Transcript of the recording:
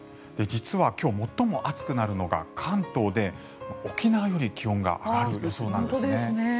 実は今日最も暑くなるのが関東で沖縄より気温が上がる予想なんです。